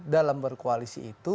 dalam berkoalisi itu